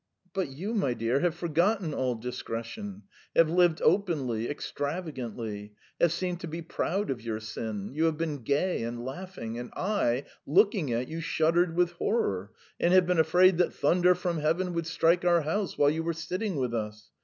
.' But you, my dear, have forgotten all discretion; have lived openly, extravagantly; have seemed to be proud of your sin; you have been gay and laughing, and I, looking at you, shuddered with horror, and have been afraid that thunder from Heaven would strike our house while you were sitting with us.